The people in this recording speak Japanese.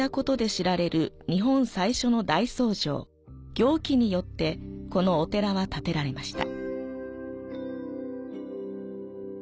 行基によってこのお寺は建てられました。